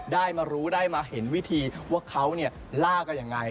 ได้มารู้ได้มาเห็นวิธีว่าเขาล่ากันยังไง